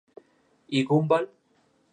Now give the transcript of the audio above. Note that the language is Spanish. Y Gumball.